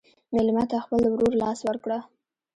مېلمه ته د خپل ورور لاس ورکړه.